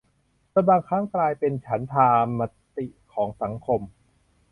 จนบางครั้งกลายเป็นฉันทามติของสังคม